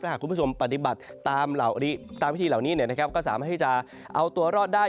หากคุณผู้ชมปฏิบัติตามพิธีเหล่านี้ก็สามารถที่จะเอาตัวรอดได้